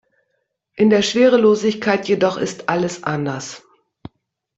In der Schwerelosigkeit jedoch ist alles anders.